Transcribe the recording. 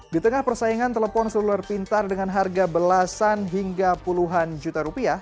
di tengah persaingan telepon seluler pintar dengan harga belasan hingga puluhan juta rupiah